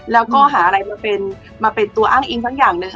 แล้วก็หาอะไรมาเป็นตัวอ้างอิงสักอย่างหนึ่ง